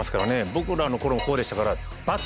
僕らの頃もこうでしたからバツ。